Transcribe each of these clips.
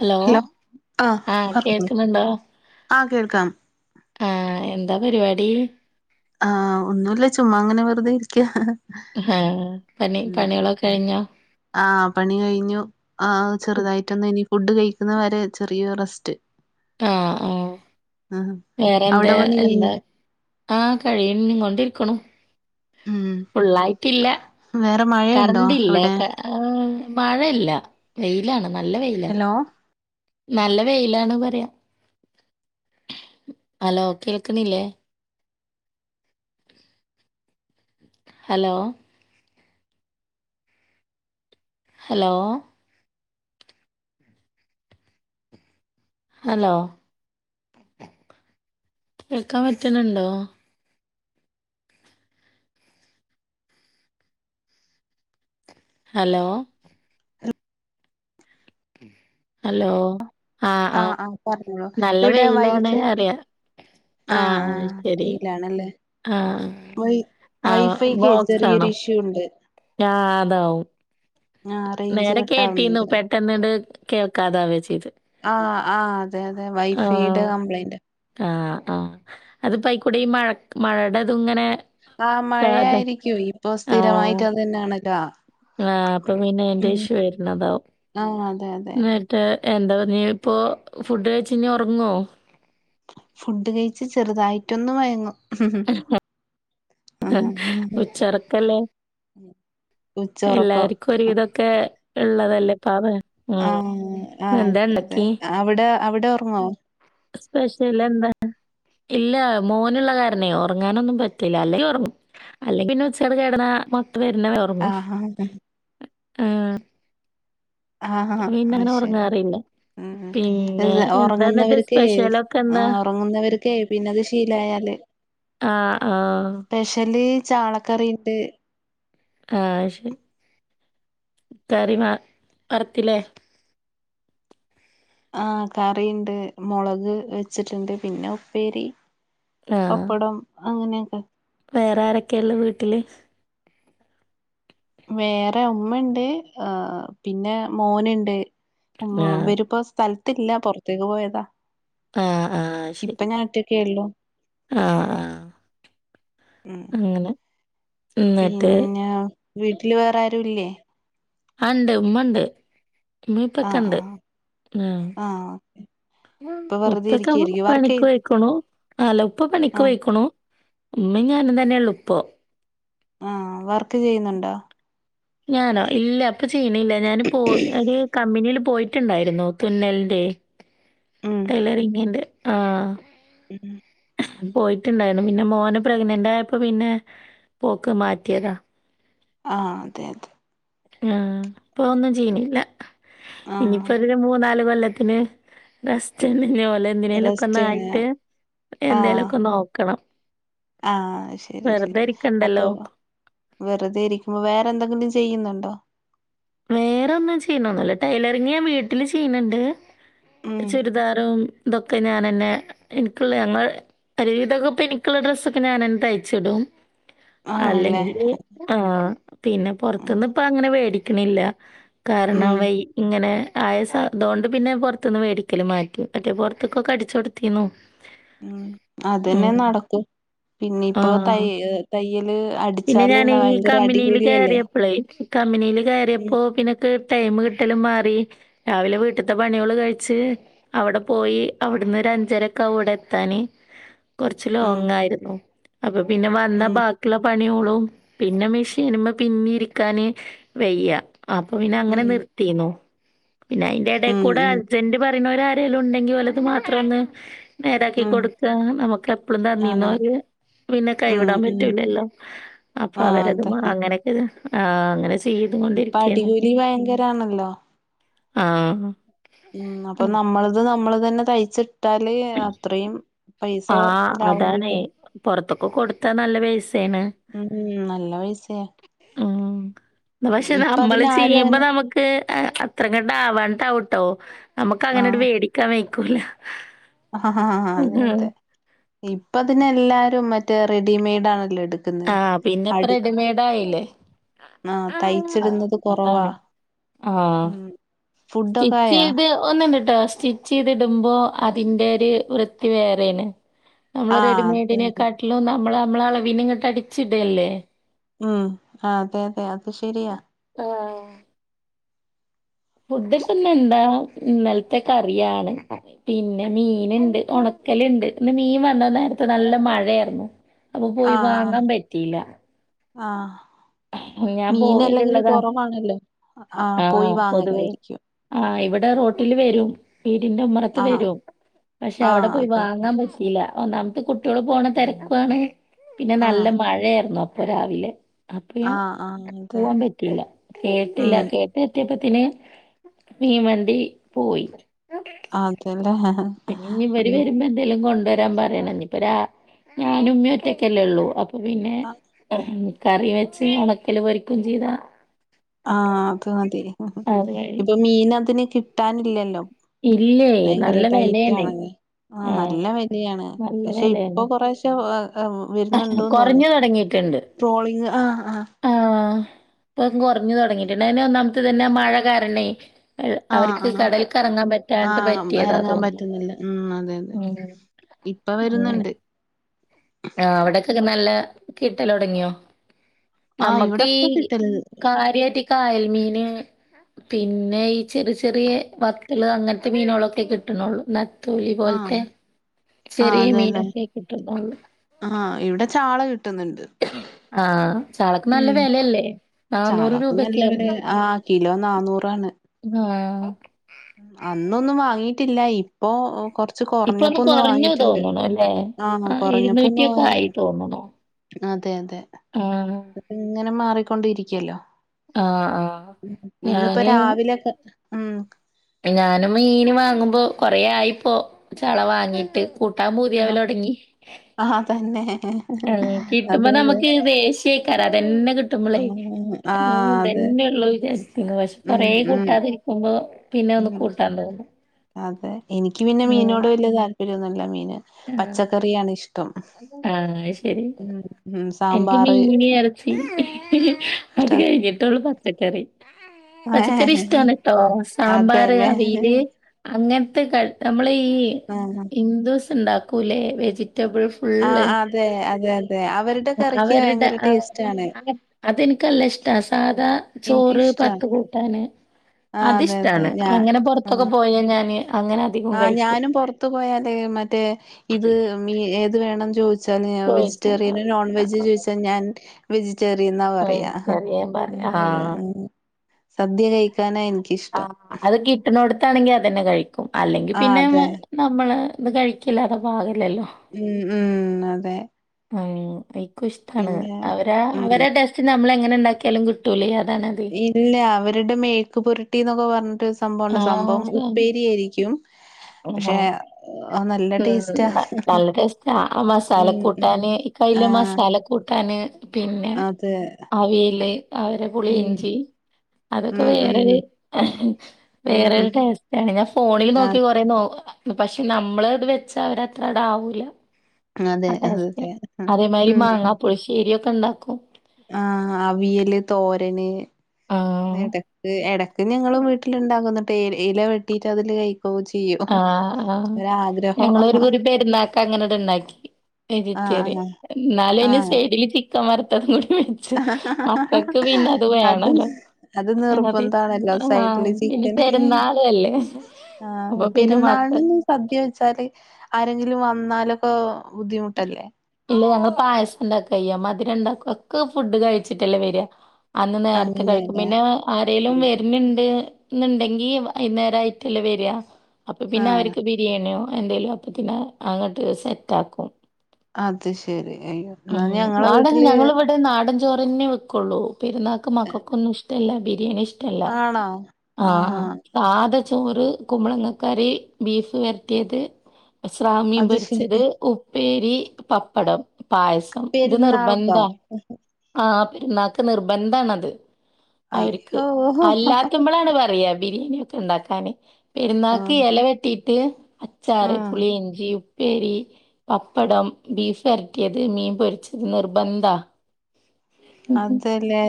Hello ആ ആഹ് കേൾക്കുന്നുണ്ടോ ആഹ് കേൾക്കാം ആ എന്താ പരിപാടി ആ ഒന്നൂല്ല ചുമ്മാങ്ങനെ വെറുതെ ഇരിക്ക ഏഹ്, പണി പണികളൊക്കെ കഴിഞ്ഞോ ആ പണി കഴിഞ്ഞു ആ ചെറുതായിട്ടൊന്നിനി ഫുഡ് കയ് ഇത് വരെ ചെറിയോ റസ്റ്റ് ആ ആ വേറെന്താ അവിടെ പണി എന്താ കഴിഞ്ഞോ ആ കഴിയൻ കൊണ്ടിരിക്കണു ഉം ഫുള്ളായിട്ടില്ല, വേറെ മഴയുണ്ടോ കറണ്ട്ല്ലേ അവിടെ ആഹ് മഴയല്ല വെയിലാണ് നല്ല വെയിലാ ഹലോ നല്ല വെയിലാണ് പറയാ ഹലോ കേൾക്കുന്നില്ലേ ഹലോ ഹലോ ഹലോ കേൾക്കാൻ പറ്റ്ണ് ണ്ടോ ഹലോ ഹലോ ആ ആ ആഹ് ആഹ് പറ് നല്ല [unintelligible] ഇവിടെ വെയിലാണ് വൈഫൈ പറയാ. ആ ആഹ് ആഹ് ശരി. ഈറ്റ്ലാണല്ലേ ആ വൈ ആഹ് വൈഫൈക്കേ ബോക്സാണോ? ചെറിയൊരു ഇഷ്യൂ ഉണ്ട് ആഹ് അതാവും ആഹ് റേഞ്ച് നേരെ കേട്ടീന്നു കട്ടാവുന്നുണ്ട് പെട്ടെന്ന്ണ്ട് കേൾക്കാതാവേച്ച് ആഹ് ആഹ് അതെയതെ വൈഫൈടെ ആഹ്. കംപ്ലൈന്റ് ആഹ് ആഹ് ഉം അതിപ്പയിക്കൂടെ ഈ മഴക്ക് മഴടതുങ്ങനെ ആഹ് മഴയായിരിക്കു ഇപ്പൊ ആഹ്. സ്ഥിരമായിട്ടതന്നാണല്ലോ അപ്പം പിന്നെ എന്റെ ഇഷ്യു വരുന്നതാവും ആഹ് അതെ അതെ നേരത്തേ എന്താ പർഞ്ഞീപ്പോ ഫുഡ് കഴിച്ചിനി ഒറങ്ങുവോ ഫുഡ് കഴിച്ച് ചെറുതായിട്ടൊന്ന് മയങ്ങും ആഹ് ഉച്ചൊറക്കല്ലേ ഉച്ചൊറക്കം എല്ലാര്ക്കു ഒരുവിധൊക്കെ ഇള്ളതല്ലേ പാവേ ഉം. ആഹ് ആഹ് എന്താ അതെ അതെ ഇണ്ടാക്കി? അവിടെ അവിടെ ഒറങ്ങോ സ്പെഷ്യലെന്താണ് ഇല്ല മോന്ള്ള കാരണേ ഒറങ്ങാനൊന്നും പറ്റില്ല അല്ലെങ്കി ഒറങ്ങും അല്ലെങ്കി പിന്നെ ഉച്ചയോടെ കെടന്നാ മത്ത് വര്ണ വരെ ഒറങ്ങും ആഹ് ആഹഹാ ആ പിന്നങ്ങനെ ശരി ഉറങ്ങാറില്ല. ഉം പിന്നെ എന്ന് എന്താ എന്നിട്ട് ഒറങ്ങുന്നവര്ക്കേ സ്പെഷ്യലൊക്കെ എന്താ? ആഹ് ഒറങ്ങുന്നവര്ക്കേ പിന്നത് ശീലായാല് ആഹ് ആഹ്. പെഷല് ചാളക്കറിയിണ്ട് ആഹ് ശെ കറി മാ വറത്തില്ലേ ആഹ് കറിയിണ്ട് മൊളക് വെച്ചിട്ട്ണ്ട് പിന്നെ ഉപ്പേരി ആഹ്. പപ്പടം അങ്ങനെയൊക്കെ വേറെ ആരൊക്കെയാ ഇള്ളെ വീട്ടില് വേറെ ഉമ്മയിണ്ട് ആഹ് പിന്നെ മോന്ണ്ട് ഉമ്മ ആഹ്. ഇവരിപ്പോ സ്ഥലത്തില്ല പൊറത്തേക്ക് പോയതാ ആഹ് ആഹ് ശരി. ഇപ്പ ഞാനൊറ്റക്കേ എള്ളൂ ആഹ് ആഹ് ഉം അങ്ങനെ. എന്നിട്ട് പിന്നെ വീട്ടില് വേറെ ആരൂല്ലേ ആഹ് ഇണ്ട് ഉമ്മണ്ട് ആ ആ ഉമ്മിയുപ്പെക്കണ്ട് ആഹ് ആ ഇപ്പൊ വെറുതെ ഉപ്പെക്കവു ഇരിക്കായിരിക്കും വർക്ക് പണിക്ക് ചെയ് പോയ്ക്ക്ണു അല്ല ഉപ്പ ആ പണിക്ക് പോയ്ക്ക്ണു ഉമ്മേം ഞാനും തന്നെയൊള്ളൂപ്പൊ ആഹ് വർക്ക് ചെയ്യുന്നുണ്ടോ ഞാനോ ഇല്ല ഇപ്പ ചെയ്യ്ണില്ല ഞാന് പോ ഒരു കമ്പനീല് പ് പോയിട്ട്ണ്ടായിരുന്നു തുന്നൽൻ്റേ ഉം ആഹ് ഉം പോയിട്ട്ണ്ടായിരുന്നു പിന്ന മോന പ്രഗ്നൻ്റായപ്പോ പിന്നെ പോക്ക് മാറ്റിയതാ ആഹ് അതെയതെ ആഹ് ഇപ്പൊ ഒന്നും ചെയ്യ്ണില്ല ആ ഇനിയിപ്പളൊരു മൂന്നാല് കൊല്ലത്തിന് റസ്റ്റന്നെ ഇനി റെസ്റ്റ് ഓലെന്തിനേലൊക്കൊന്നായിട്ട് എന്തേലൊക്കെ നോക്കണം ആഹ് ശരി ശരി വെറുതെ അപ്പോ ഇരിക്കണ്ടല്ലോ. വെറുതെ ഇരിക്കുമ്പോ വേറെ എന്തെങ്കിലും ചെയ്യുന്നുണ്ടോ വേറൊന്നും ചെയ്യുന്നൊന്നുല്ല ടൈലറിങ് ഞാൻ വീട്ടില് ചെയ്യ്ണ് ണ്ട് ഉം ചുരിദാറും ഇതൊക്കെ ഞാനന്നെ എനിക്ക്ള്ള ഞങ്ങൾ ഒരുവിധൊക്കെ ഇപ്പെനിക്ക്ള്ള ഡ്രസ്സൊക്കെ ഞാനന്നെ തയ്ച്ചിടും ആണല്ലേ അല്ലെങ്കില് ആഹ് പിന്നെ ഉം പൊറത്ത്ന്നിപ്പങ്ങനെ വേടിക് ക്ക്ണില്ല കാരണം ഉം. വൈ ഇങ്ങനെ ആയ സ തോണ്ട് പിന്നെ പൊറത്ത്ന്ന് വേടിക്കല് മാറ്റി മറ്റേ പൊറത്ത്ക്കൊക്കടിച്ച് കൊടുത്തീന്നു ഉം അതന്നെ ഉം. നടക്ക് പിന്നെയിപ്പോ ആഹ്. തയ തയ്യല് പിന്നെ അടിച്ചാല് ഞാന് ഭയങ്കര അടികൂലിയല്ലേ? കമനിൽ കയറിയപ്പോ പിന്നെക്കെ ടൈം ഉം കിട്ടലും മാറി രാവിലെ വീട്ട്ത്തെ പണിയോള് കഴിച്ച് അവിടെ പോയി അവിടുന്ന് ഒരു അഞ്ചരൊക്കെ ഇവിടെ എത്താന് കൊറച്ച് ഉം ലോങ്ങായിരുന്നു. അപ്പൊ പിന്നെ വന്ന ഉം ബാക്കിയുള്ള പ ണി കൂളും പിന്നെ മിഷീൻമ്മെ പിന്നിം ഇരിക്കാന് വെയ്യ അപ്പൊ പിന്നെ അങ്ങനെ ഉം നിർത്തിന്നോ പിന്നെ അയിന്റെ എടേ ഉം കൂടെ ഉം അർജന്റ് പറയുന്നവരാരെലും ഉണ്ടെങ്കി ഓലത് മാത്രം ഒന്ന് നേരാക്കി ഉം കൊട്ക്കാ നമ്മക്ക് എപ്പളും ആഹ് തന്നിന്നോര് പിന്നെ ഉം കൈവിടാൻ ഉം പറ്റൂലല്ലോ അപ്പൊ ആഹ് അവരത് അങ്ങനെയൊക്കെ ആഹ് അങ്ങനെ ചെ ഇപ്പ അടികൂലി ഭയങ്കരാണല്ലോ ആഹ് ഉം അപ്പൊ നമ്മളത് നമ്മള് തന്നെ തയ്ച്ചിട്ടാല് അത്രയും പൈസ ആ ലാഭം അതാണ് കിട്ടും പൊർതൊക്കെ കൊട്ത്താ നല്ല പൈസ ഉം നല്ല പയ്സേ ഉം പക്ഷെ നമ്മൾ ആരും ചെയ്യുമ്പോ അങ്ങനെ നമ്ക്ക് അത്ര കണ്ട് ആവാനിട്ടാവുട്ടോ നമ്മക്ക് അങ്ങനെട്ട് ആഹ് വേടിക്കാൻ വെയ്ക്കൂലാ അതെ അതെ ഇപ്പ അതിൻ എല്ലാരും മറ്റേ റെഡിമെയ്ഡ് ആണല്ലോ ഇട് ആ പിന്നെ ഇപ്പ റെഡിമെയ്ഡ് ആയില്ലേ ആഹ് തയ്ച്ചിടുന്നത് കുറവാ ആഹ് സ്റ്റിച്ച് ആയാ ചെയ്ത് ഒന്ന്ട്ടോ സ്റ്റിച്ച്യ്തിടുമ്പോ അതിന്റെ ഒരു വൃത്തി വേററേണ് നമ്മൾ ആഹ് അതന്നെ റെഡിമെയ്ഡിനെക്കാട്ടിലും നമ്മൾ നമ്മളെ അളവിന് ഇങ്ങട്ട് അടിച്ച് ഇടഅല്ലേ ഉം ആഹ് അതെ അതെ അത് ശെരിയാ ഫുഡ് ഇപ്പം ഇന്ന് എന്താ ഇന്നൽത്തെ കറിയാണ് പിന്നെ മീൻ ഇണ്ട് ഒണ കല്ണ്ട് ഇന്ന് മീൻ വന്ന നേര്ത്തെ നല്ല മഴയായിരുന്നു. അപ്പ പോയി വാങ്ങാൻ പറ്റീലാ ആ മീൻ അല്ലെങ്കില് പോവല്ള്ളതാ കുറവാണല്ലോ ആഹ് പോയി വാങ്ങലായിരിക്കും ആ ഇവടെ റോട്ടില് വെരും വീടിന്റെ ഉമ്മറത്ത് ആഹ് വെരും പക്ഷെ അവ്ടെ ആഹ് പോയി അതെ അതെ വാങ്ങാൻ പറ്റീലാ ഒന്നാമത്തെ കുട്ടിള് പോണ തിരക്കാണ്. പിന്നെ നല്ല ആഹ് മഴയായിരുന്നു അപ്പൊ രാവിലെ പിയെ ആഹ് ആഹ് അതെ പോവാൻ പറ്റില്ല കേട്ടില്ല ഉം കേട്ട എത്തിയപ്പ ത്തിന് മീൻ വണ്ടി പോയി അതെല്ലെ പിന്നെ ഇഞ് ഇവര് വെരുമ്പോ എന്തെലും കൊണ്ട് വെര് രാൻ പറയണംഞ്പ രാ ഇനി ഇപ്പൊ ഞാനു മ്മി ഒറ്റക്കല്ലേ ഉള്ളൂ അപ്പൊ പിന്നെ കറി വെച്ച് ഉണക്കല് പൊരിക്കും ചെയ്താ ആഹ് അത് മതി അത് കഴിയും. ഇപ്പൊ മീൻ അതിന് കിട്ടാനില്ലല്ലോ ഇല്ലേ ഭയങ്കര നല്ല ടൈറ്റ് വെലയാണ്. ആണ് അത് ആ നല്ല ആഹ് വലിയാണ് നല്ല പക്ഷെ ഇപ്പ വെലയാണ്. കൊറേശെ ആ വ് വെര്ന്ന് ഇണ്ട്ന്ന് തോന്നി കൊറഞ്ഞു തൊടങ്ങിയിട്ടുണ്ട്. ട്രോളിങ് ആ ആ ഇപ്പ കൊർഞ്ഞു തൊടങ്ങിട്ട് ഇണ്ട് അയിന് ഒന്നാമത്തെ ഇതെന്നെ മഴ കാരണേ അയ് ആഹ് അവർക്ക് ആഹ് കടലക്കിറങ്ങാൻ പറ്റാൻട്ട് ആഹ് പറ്റിയതാ എറങ്ങാൻ തോന്നുന്നു പറ്റുന്നില്ല ഉം അതെ അതെ ഇപ്പ വെര്ന്ന്ണ്ട് ആ അവ്ട്ക്കൊക്കെ നല്ല കിട്ടൽ തൊടങ്ങിയോ ആഹ് നമ്മക്ക് ഇവിടെ ഈ ഇപ്പ കിട്ടല് കാര്യയിട്ട് കായൽ മീന് പിന്നെ ഈ ചെർ ചെറിയ വത്തൽ അങ്ങൻത്തെ മീനൊളൊക്കെ കിട്ട്ണൊ ഒള്ളു തൂലി പോൽത്തെ ആഹ് ആഹ് ചെറിയ അതെല്ലേ മീനൊക്കെ കിട്ടുന്നൊള്ളു ആഹ് ഇവിടെ ചാള കിട്ടുന്നുണ്ട് ആഹ് ചാളക്ക് നല്ല ഉം വിലയല്ലേ നന്നൂറ് ചാളക്ക് നല്ല വെല രൂപയക്കൊയിരുന്നു ആഹ് കിലോ നന്നൂറാണ് അന്നൊന്നും വാങ്ങിട്ടില്ല ഇപ്പൊ കൊറ ച്ച് ഇപ്പൊ കൊറഞ്ഞപ്പോ ഒന്ന് കൊറഞ്ഞു വാങ്ങിട്ടുണ്ട് തോന്നുണു അല്ലേ? ആഹ് ആ കൊറഞ്ഞപ്പോ ഒന്ന് വാങ്ങി ആയി തോന്നുണു. അതെ അതെ ആഹ്. അ ഇങ്ങനെ മാറിക്കൊണ്ടിരിക്കയല്ലോ ആഹ് ആഹ്. ഇന്നിപ്പ ഞാന് രാവിലെക്കെ ഉം ഞാനും മീന് വാങ്ങുമ്പോ കൊറെ ആയിപ്പോ ചാള വാങ്ങീട്ട് കൂട്ടാൻ പൂതിയാവല് തൊടങ്ങി ആഹ് തന്നെ ആ കിട്ടുമ്പോ അതെ അതെ നമുക്ക് ദേഷ്യക്കാറ അതന്നെ കിട്ടുമ്പോളേ ആഹ് അതെ ഉംതന്നെയള്ളൂ വിചാരിക്കുന്നു പക്ഷെ കൊറേ കൂട്ടാതിരിക്കുമ്പോ പിന്നെ ഒന്ന് ഉ കൂട്ടാൻ തോന്നും. അതെ എനിക്ക് പിന്നെ ഉം മീനോട് വലിയ താല്പ ര്യം ഇല്ല മീന് പച്ചക്കറിയാണ് ഇഷ്ടം ആഹ ശരി ഉം ഉം എനിക്ക് സാമ്പാറ് മീന ഇറച്ചി ഇഷ്ട അത് കഴിഞ്ഞിട്ടേ ഉള്ള പക്കറി പച്ചക്കറി ഇഷ്ടമാണ് കേട്ടോ സാമ്പാർ അതെല്ലേ അവയില് അങ്ങനത്തെ ക നമ്മള് ഈ ആഹ് ഹിന്ദുസ് ഉണ്ടാക്കൂല്ലേ വെജിറ്റബിൾ ഫുള്ള് ആഹ് അതെ അതെ അതെ അവരുടെ കറിക്ക് അവരുടെ ഭയങ്കര അ ടേസ്റ്റാണ് അതെനിക്കല്ല ഇഷ്ടാ സാധാ എനിക്കും ചോറ് ഇഷ്ടാ പത്ത് കൂട്ടാന് ആഹ് അതെ അതെ അത്ഷ്ടാണ് ഞാ അങ്ങനെ പുറത്തൊക്കെ പോയ ഞാന് അങ്ങനെ അധികം ആഹ് കഴിക്കും. ഞാനും പുറത്തു പോയാലേ മറ്റേ ഇത് മ ഏത് വേണം ചോദിച്ചാൽ ചോദിച്ചാ വെജിറ്റേറിയൻ നോൺ ആ, വെജ് ചോദിച്ചാൽ ഞാൻ വെജിറ്റേറിയൻ എന്നാ ആ, പറയാ എനിക്കറിയാൻ പറയാ അതെ ആ അതെ ആഹ സദ്യ കഴിക്കാനാ എനിക്കിഷ്ടം ാണെങ്കിൽ അതനെ കഴിക്കും അല്ലെങ്കിൽ ആഹ് പിന്നെ അതെ നമ്മള് ഇത് കഴിക്കില്ലാത പാകില്ലല്ലോ ഉം ഉം അതെ ആ ഐക്കും ഇഷ്ടമാണ് പിന്നെ അവരാ ഉം അവരെ ടെസ്റ്റ് നമ്മള എങ്ങനെ ഉണ്ടാക്കിയാലും കിട്ടൂലേ അ ഇല്ല അവരുടെ മേക്കുപുരുട്ടി എന്നൊക്കെ പറ സംഭവണ്ട ആ സംഭവം ശരി. ഉപ്പേരി ആയിരിക്കും ആ ടേസ്റ്റാ നല്ല ടേസ്റ്റ് ആ മസാല ഉം ഉം കൂട്ടാന് പല ആഹ് മസാല കൂട്ടാന് പിന്നെ അതെ അവിയല് അവരെ ഉം പുളിഞ്ചി അതൊക്കെ ഉം ഉം വേറൊരു ഉം ഉം വേറരു ടസ്റ്റയാണ് ഞാൻ ഫോണിൽ നോക്കി ആഹ് കൊറെ നോ പക്ഷെ നമ്മളത് വെച്ച അവര് അത്ര അട ആവൂല അതെ അ അതെ അതേമാരി ഉം ഉം മാങ്ങാ പുളിശ്ശേരി ഒക്കെ ഉണ്ടാക്കും ആഹ് അവിയല് തോരന് ആ. ഇടക്ക് എട ഞങ്ങൾ വീട്ടിലുണ്ടാക്കന്നുട്ട് ഇല വെട്ടിട്ട് അതില് ക ആഹ് ആ ഞങ്ങൊരു കുറി പെരുന്നാക്ക അങ്ങനെട് ഉണ്ടാക്കി ആഹ് വെജിറ്റേറിയ ആഹ് ന്നാലും അയിന്റെ ആഹ് സൈഡില് ചിക്ക വർത്തത് കൂടി മക്കൾക്ക് പിന്നെ അത് വേണല്ലോ അത് അത് നിർബന്ധാണല്ലോ ആഹ സൈഡില് ഇനി ചിക്കന് പെരുന്നാളല്ലേ ആ പെരുന്നാളന്ന് സദ്യ വെച്ചാല് ആരെങ്കിലും വന്നാലൊക്കെ ബുദ്ധിമുട്ടല്ലേ ഞ പായസം ഉണ്ടാക്ക അയ്യ മധുരംണ്ടാക്കും ഒക്കെ ഫുഡ് കഴിച്ചിട്ടല്ലേ വരിക അന്ന് നേരത്തെ കഴിക്കും അങ്ങനെയല്ലേ പിന്നെ ആരേലും വരുന്നുണ്ട് എന്നുണ്ടെങ്കി വൈകുന്നേരംമായിട്ടല്ലേ വരിക അപ്പൊ പിന്നെ ആഹ് അവർക്ക് ബിരിയാണിയോ എന്തേലും അപ്പത്തിനെ അങ്ങോട്ട് സെറ്റ് ആക്കും അത് ശെരി അയ്യോ എന്നാ ഉം ഞങ്ങളെ നാടൻ വീട്ടില് ഞങ്ങളിവിടെ നാടൻ ചോറന്നെ വെക്കുള്ളൂ പെരുന്നാൾക്ക് മക്കൊന്ന ഇഷ്ടല്ല ബിരിണി ഇഷ്ടം ഇഷ്ടല്ല ആണോ ആഹ് ചോറ് കുമളങ്ങ കറി ബീഫ് വരത്തിയത് സ്രാമ്യം അത് പൊരിച്ചത് ശെരി ഉപ്പേരി പപ്പടം പായസം ഇത് നിർബന്ധ പെരുന്നാൾക്കോ ആ പെരുന്നാക്ക് നിർബന്ധണത് അവർക് അയ്യോ ആഹ് അല്ലാത്തുമ്പോളാണ് പറയാ ബിരിയാണി ഉണ്ടാക്കാന് പെരുന്നാക്ക് എല വെട്ടിട്ട് അച്ചാറ് ആഹ് പുളിയിഞ്ചി ഉപ് ഉപ്പേരി പപ്പടം ബീഫ് വരട്ടിയത് മീൻ പൊരിച്ചത് നിർബന്ധാ അതല്ലേ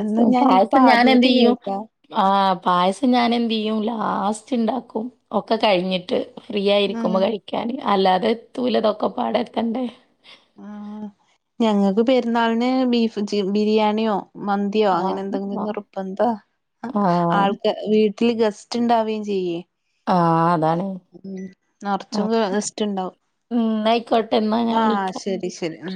എന്നാ ഞാനിപ്പ പായസം ഞാന് എന്ത് ആദ്യായിട്ട് ചെയ്യും കേൾക്കാ ആഹ് പായസം ഞാൻ എന്ത് ചെയ്യും ലാസ്റ്റ് ഇണ്ടാക്കും ഒക്കെ കഴിഞ്ഞിട്ട് ഫ്രീ ഉം ആയിരിക്കുമ്പോ കഴിക്കാന് അല്ലാതെ എത്തുലാ ഇതൊക്കെപാടെ എത്തണ്ടേ ആ ഞങ്ങൾക്ക് പെരുന്നാളിന് ബീഫ് ച് ബിരിയാണിയോ മന്തിയോ ആ അങ്ങനെ എന്തെങ്കിലും ആ നിർബന്ധ ആ ആൾക്ക് വീട് ൽ ഗസ്റ്റ് ഇണ്ടാവേം ചെയ്യേ ആ അതാണ്. ഉം ആ. നിറച്ചും ഗസ്റ്റ് ഉണ്ടാവും ഉം ന്നാ ആയിക്കോട്ടെ എന്നാ ഞാൻ ആഹ് വിളിക്കാം. ശരി ശരി ഉം